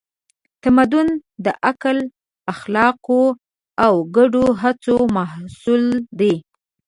تمدن د عقل، اخلاقو او ګډو هڅو محصول دی.